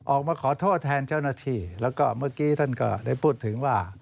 ออกมาขอโทษแทนเจ้าหน้าที่แล้วก็เมื่อกี้ท่านก็ได้พูดถึงว่า